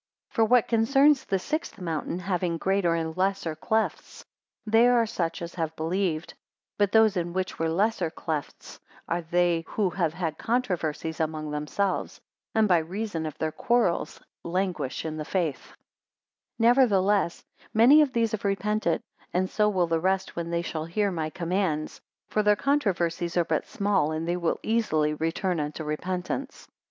205 For what concerns the sixth mountain having greater and lesser clefts, they are such as have believed; but those in which were lesser clefts are they who have had controversies among themselves; and by reason of their quarrels languish in the faith: 206 Nevertheless many of these have repented, and so will the rest when they shall hear my commands; for their controversies are but small, and they will easily return unto repentance.